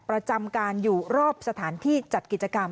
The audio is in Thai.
ประจำการอยู่รอบสถานที่จัดกิจกรรม